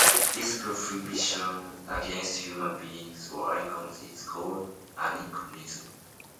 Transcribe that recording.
This prohibition against human beings or icons is called aniconism.